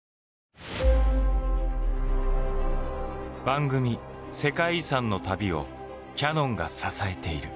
番組「世界遺産」の旅をキヤノンが支えている。